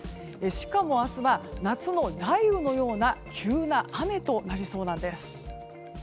しかも明日は夏の雷雨のような急な雨となりそうなんです。